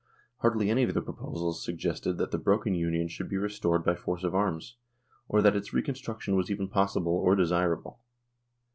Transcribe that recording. Hardly any of the proposals suggested that the broken Union should be restored by force of arms, or that its reconstruction was even possible or desir able.